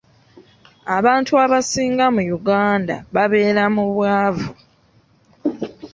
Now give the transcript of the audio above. Abantu abasinga mu Uganda babeera mu bwavu.